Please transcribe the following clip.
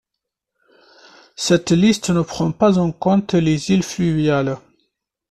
Cette liste ne prend pas en compte les îles fluviales.